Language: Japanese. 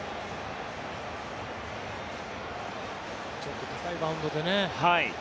ちょっと高いバウンドでね。